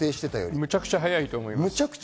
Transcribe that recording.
むちゃくちゃ早いと思います。